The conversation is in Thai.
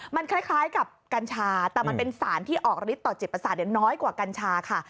มันคล้ายกับกัญชาแต่มันเป็นสารที่ออกฤทธิต่อจิตประสาทน้อยกว่ากัญชาค่ะ